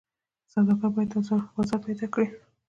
سوداګر باید بازار پیدا کړي.